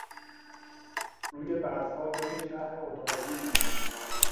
روی برفها جای چرخ اتومبیل دیدیم.